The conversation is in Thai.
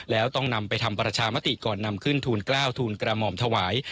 แล้วต้องนำไปทำประชามติก่อนนำขึ้นทูลกล้าวทูลกระหม่อมถวาย